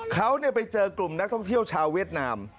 เขาไปเจอกลุ่มนักท่องเที่ยวชาวเวียดนาม